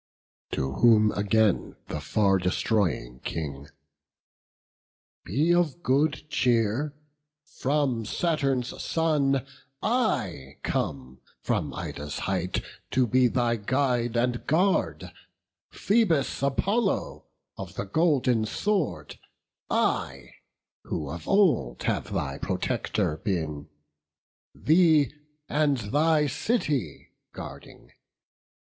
To whom again the far destroying King: "Be of good cheer; from Saturn's son I come From Ida's height to be thy guide and guard; Phoebus Apollo, of the golden sword, I, who of old have thy protector been, Thee and thy city guarding.